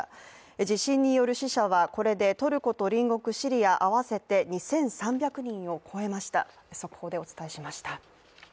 地震による死者はこれでトルコと隣国シリア合わせて２３００人を超えました。